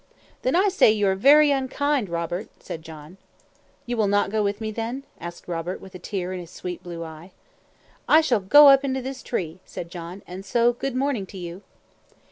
"Then I say you are very unkind, Robert," said John. "You will not go with me, then?" asked Robert, with a tear in his sweet blue eye. "I shall go up into this tree," said John; "and so good morning to you."